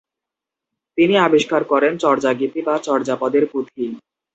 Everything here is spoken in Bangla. তিনি আবিষ্কার করেন চর্যাগীতি বা চর্যাপদের পুঁথি।